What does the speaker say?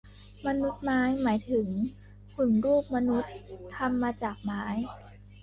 มนุษย์ไม้ หมายถึงหุ่นรูปมนุษย์ทำมาจากไม้